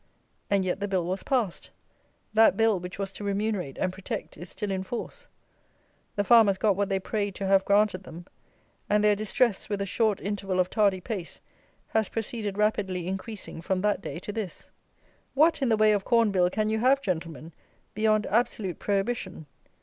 And yet the Bill was passed; that Bill which was to remunerate and protect is still in force; the farmers got what they prayed to have granted them; and their distress, with a short interval of tardy pace, has proceeded rapidly increasing from that day to this. What, in the way of Corn Bill, can you have, Gentlemen, beyond absolute prohibition?